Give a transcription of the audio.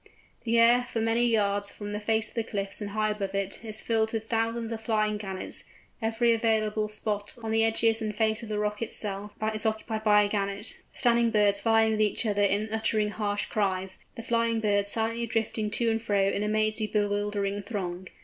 The air, for many yards from the face of the cliffs and high above it, is filled with thousands of flying Gannets; every available spot, on the edges and face of the rock itself, is occupied by a Gannet, the standing birds vieing with each other in uttering harsh cries, the flying birds silently drifting to and fro in a mazy bewildering throng.